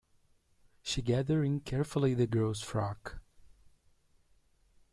She gathered in carefully the girl's frock.